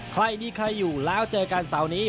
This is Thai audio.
ใครมีใครอยู่แล้วเจอกันเสาร์นี้